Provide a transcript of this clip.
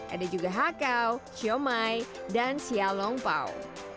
ada juga hakau xiaomai dan xiaolongbao